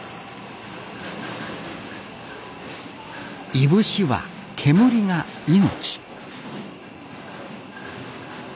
いぶしは煙が命。